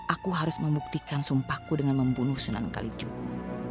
aku harus membuktikan sumpahku dengan membunuh sunan kalicuku